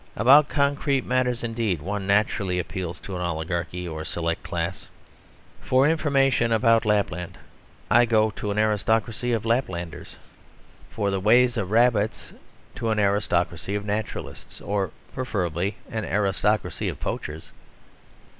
About concrete matters indeed one naturally appeals to an oligarchy or select class. For information about Lapland I go to an aristocracy of Laplanders; for the ways of rabbits to an aristocracy of naturalists or, preferably, an aristocracy of poachers.